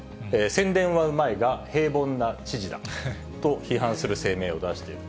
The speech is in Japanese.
宣伝はうまいが、平凡な知事だと批判する声明を出している。